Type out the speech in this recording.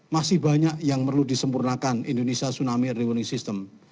masih banyak yang perlu disempurnakan indonesia tsunami rewarning system